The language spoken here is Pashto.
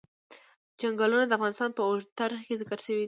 چنګلونه د افغانستان په اوږده تاریخ کې ذکر شوی دی.